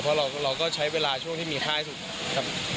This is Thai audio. เพราะเราก็ใช้เวลาช่วงที่มีค่าให้สุดด้วยกันกับเขาอะไรอย่างนี้